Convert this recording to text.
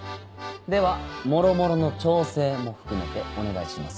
ではもろもろの調整も含めてお願いします。